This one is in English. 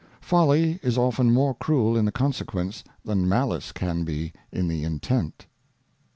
Folly is often more cruel in the Consequence, than Malice can be in the Intent.